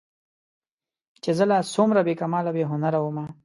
چې زه لا څومره بې کماله بې هنره ومه